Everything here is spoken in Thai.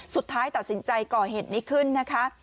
สุดท้ายตัดสินใจก่อเหตุนี้ขึ้นนะคะ